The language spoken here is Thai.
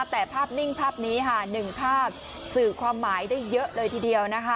แต่ภาพนิ่งภาพนี้ค่ะ๑ภาพสื่อความหมายได้เยอะเลยทีเดียวนะคะ